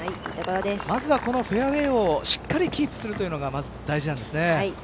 まずはこのフェアウエーをしっかりキープするというのが大事なんですね。